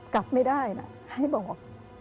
กลับไม่ได้นะให้บอก